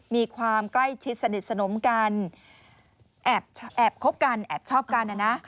มีความใกล้ชิดสนิทสนมกันแอบชอบกันอ่ะนะ